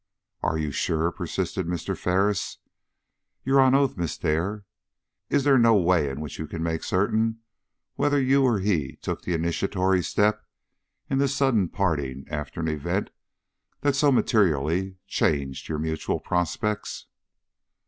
"Are you sure?" persisted Mr. Ferris. "You are on oath, Miss Dare? Is there no way in which you can make certain whether he or you took the initiatory step in this sudden parting after an event that so materially changed your mutual prospects?"